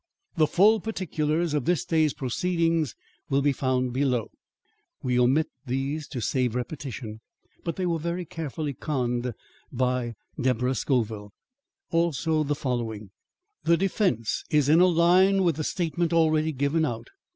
"The full particulars of this day's proceedings will be found below." We omit these to save repetition; but they were very carefully conned by Deborah Scoville. Also the following: "The defence is in a line with the statement already given out.